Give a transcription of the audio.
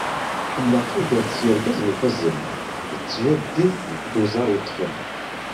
Ḥemmleɣ tudert s yergazen ifazen, d tjaddit d uẓar yeṭṭfen.